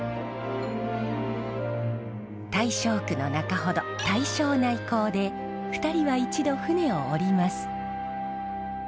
大正区の中ほど大正内港で２人は一度船を降ります。